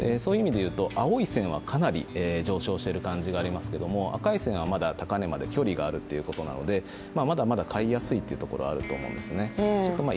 青い線はかなり上昇している感じがありますけれども赤い線はまだ高値まで距離があるということなのでまだまだ買いやすいというところはあると思うんですね。